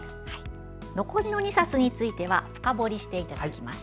残りの２冊については深掘りしていただきます。